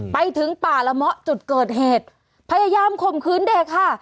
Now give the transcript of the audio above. ไปถึงป่าละเมาะจุดเกิดเหตุพยายามข่มขืนเด็กค่ะ